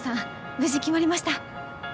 無事決まりました。